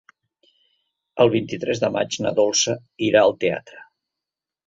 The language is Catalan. El vint-i-tres de maig na Dolça irà al teatre.